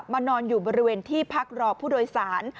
นอนอยู่บริเวณที่พักรอผู้โดยสาร